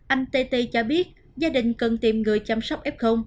anh tê tê cho biết gia đình cần tìm người chăm sóc f